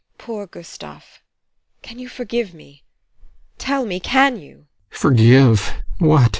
TEKLA. Poor Gustav! Can you forgive me? Tell me, can you? GUSTAV. Forgive? What?